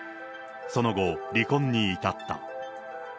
その後、離婚に至った。